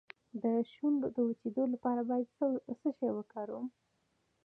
د شونډو د وچیدو لپاره باید څه شی وکاروم؟